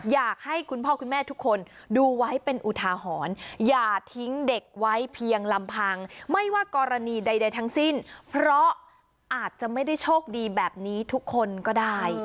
อยากให้คุณพ่อคุณแม่ทุกคนดูไว้เป็นอุทาหรณ์อย่าทิ้งเด็กไว้เพียงลำพังไม่ว่ากรณีใดทั้งสิ้นเพราะอาจจะไม่ได้โชคดีแบบนี้ทุกคนก็ได้